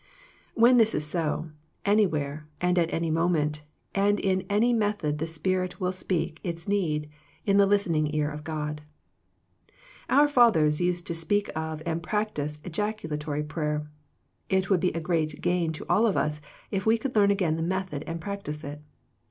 When this~isrsb, anywhere, and at any moment, and in any method the spirit will speak its need in the listening ear of God. Our fathers used to speak of and practice ejaculatory prayer. It would be a great gain to all of us if we could learn again the method and practice it.